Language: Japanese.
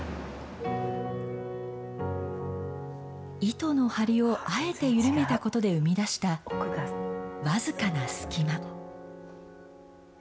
糸の張りをあえて緩めたことで生み出した僅かな隙間。